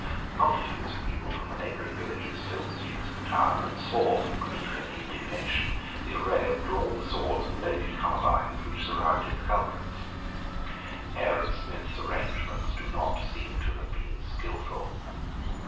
Multitudes of people from the neighbouring villages filled the streets of the town, and saw with grief and indignation the array of drawn swords and loaded carbines which surrounded the culprits. Aaron Smith's arrangements do not seem to have been skilful.